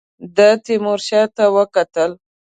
ده تیمورشاه ته ولیکل.